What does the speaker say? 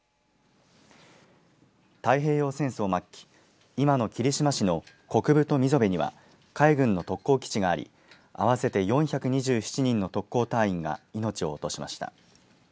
太平洋戦争末期今の霧島市の国分と溝辺には海軍の特攻基地があり合わせて４２７人の特攻隊員が命を落としました。